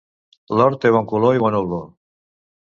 L'or té bon color i bona olor.